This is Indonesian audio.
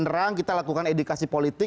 penerang kita lakukan edukasi politik